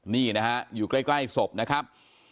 นี่นะฮะอยู่ใกล้ศพนะครับ